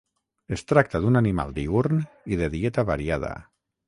Es tracta d'un animal diürn i de dieta variada.